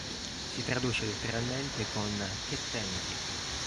Si traduce letteralmente con "Che tempi!